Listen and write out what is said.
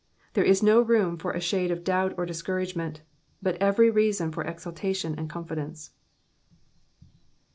There is no room for a shade of doubt or discouragement, but every reason for exultation and confidence.